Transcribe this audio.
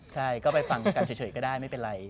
ใช่ก็ไปฟังกันเฉยก็ได้ไม่เป็นไร